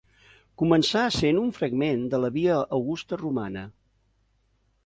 Començà essent un fragment de la Via Augusta Romana.